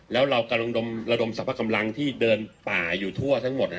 แล้วเรากำลังระดมสรรพกำลังที่เดินป่าอยู่ทั่วทั้งหมด